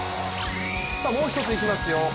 もう一ついきますよ